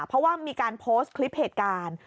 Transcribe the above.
เพราะว่ามีการโพสต์คลิปเหตุการณ์